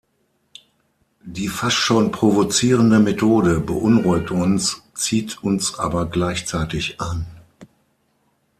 Die fast schon provozierende Methode beunruhigt uns, zieht uns aber gleichzeitig an.